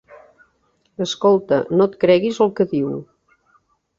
Escolta, no et creguis el que diu.